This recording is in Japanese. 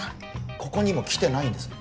ここにも来てないんですね？